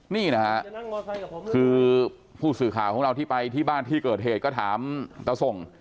นี่นะฮะคือผู้สื่อข่าวของเราที่ไปที่บ้านที่เกิดเหตุก็ถามตาส่ง